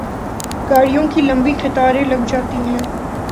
گاڑیوں کی لمبی قطاریں لگ جاتی ہیں۔